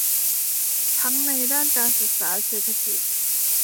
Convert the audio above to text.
ทั้งในด้านการศึกษา เศรษฐกิจ